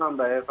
salam mbak eva